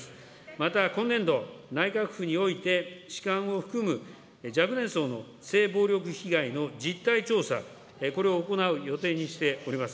また今年度、内閣府において痴漢を含む若年層の性暴力被害の実態調査、これを行う予定にしております。